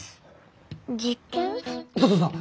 そうそうそう。